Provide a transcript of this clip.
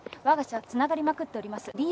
わが社はつながりまくっております。